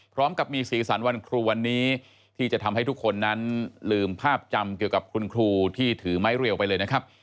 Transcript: พร้อมกับมีสีสันวันครูวันนี้ที่จะทำให้ทุกคนนั้นลืมภาพจำเกี่ยวกับคุณครูที่ถือไม้เรียวไปเลยนะครับ